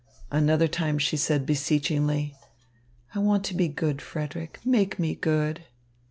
Another time she said beseechingly: "I want to be good, Frederick. Make me good."